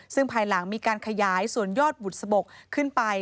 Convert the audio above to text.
ซึ่งภายหลังมีการขยายส่วนยอดบุษบกขึ้นไป